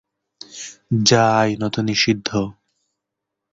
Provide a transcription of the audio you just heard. যা আইনত নিষিদ্ধ।